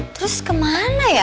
terus kemana ya